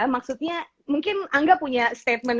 maksudnya mungkin angga punya statement